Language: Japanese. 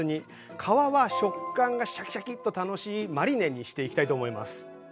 皮は食感がシャキシャキッと楽しいマリネにしていきたいと思います。